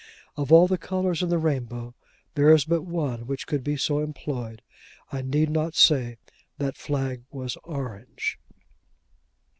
Of all the colours in the rainbow, there is but one which could be so employed: I need not say that flag was orange.